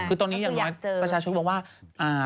คือตอนนี้อย่างน้อยประชาชนมองว่า